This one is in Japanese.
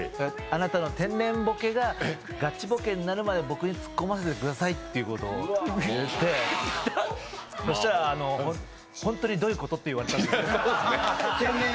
あなたの天然ボケがガチボケになるまで僕にツッコませてくださいということを言ってそしたら、本当にどういうこと？って言われて。